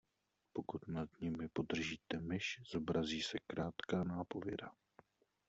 Pokud nad nimi podržíte myš, zobrazí se krátká nápověda.